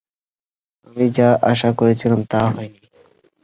আমি যা আশা করেছিলাম তা হয়নি।